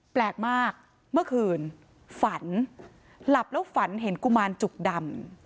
แปลกมากเมื่อคืนฝันหลับแล้วฝันเห็นกุมารจุกดำ